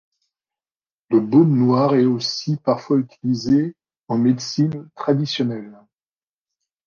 Le baume noir est aussi parfois utilisé en médecine traditionnelle.